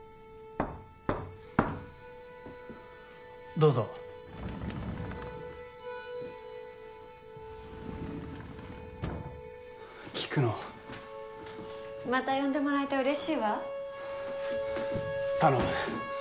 どうぞ菊乃また呼んでもらえて嬉しいわ頼む